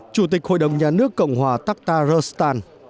chủ tịch hội đồng nhà nước cộng hòa takhtaristan